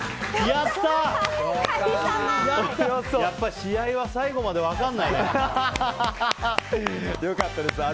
やっぱり試合は最後まで分からないね。